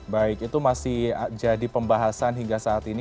baik itu masih jadi pembahasan hingga saat ini